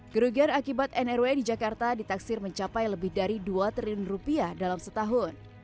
kerugian akibat nrw di jakarta ditaksir mencapai lebih dari dua triliun rupiah dalam setahun